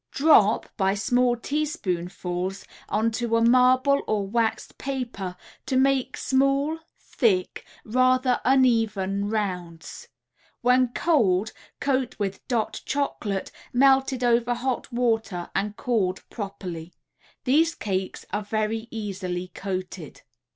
Drop, by small teaspoonfuls, onto a marble or waxed paper, to make small, thick, rather uneven rounds. When cold coat with "Dot" Chocolate melted over hot water and cooled properly. These cakes are very easily coated.